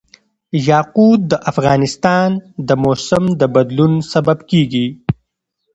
یاقوت د افغانستان د موسم د بدلون سبب کېږي.